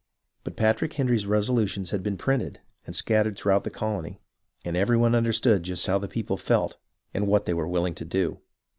But Patrick Henry's resolutions had been printed, and scattered through the colony, and every one understood just how the people felt and what they were wilhng to do.